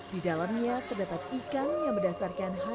di dalamnya terdapat ikan yang berdasarkan hasil